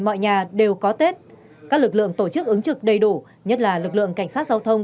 mọi nhà đều có tết các lực lượng tổ chức ứng trực đầy đủ nhất là lực lượng cảnh sát giao thông